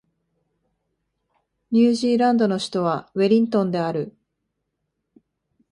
ニュージーランドの首都はウェリントンである